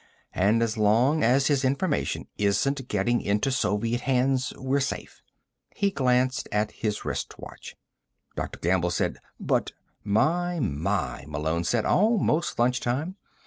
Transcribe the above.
"And as long as his information isn't getting into Soviet hands, we're safe." He glanced at his wrist watch. Dr. Gamble said: "But " "My, my," Malone said. "Almost lunchtime.